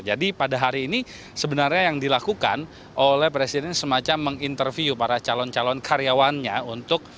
jadi pada hari ini sebenarnya yang dilakukan oleh presiden semacam menginterview para calon calon karyawannya untuk lima tahun